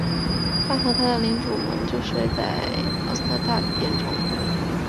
他和他的领主们就睡在希奥罗特大殿中去等待哥伦多。